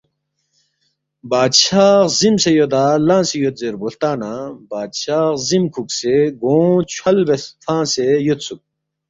بادشاہ عزِیمسے یودا لنگسے یود زیربو ہلتا نہ بادشاہ غزِیم کُھوکسے گونگ چھوال فنگسے یودسُوک